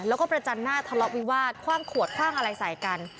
แล้วก็ประจันหน้าทะเลาะวิวาสคว่างขวดคว่างอะไรใส่กัน